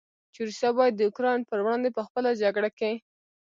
چې روسیه باید د اوکراین پر وړاندې په خپله جګړه کې.